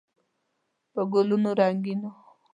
په ګلونو رنګین و.